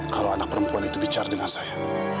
kalau anak perempuan itu bicara dengan saya